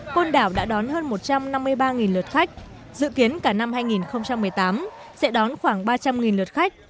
côn đảo đã đón hơn một trăm năm mươi ba lượt khách dự kiến cả năm hai nghìn một mươi tám sẽ đón khoảng ba trăm linh lượt khách